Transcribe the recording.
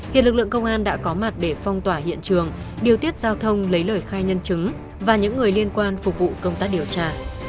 hiện lực lượng công an đã có mặt để phong tỏa hiện trường điều tiết giao thông lấy lời khai nhân chứng và những người liên quan phục vụ công tác điều tra